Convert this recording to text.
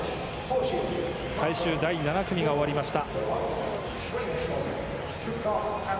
最終第７組が終わりました。